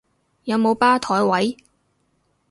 有冇吧枱位？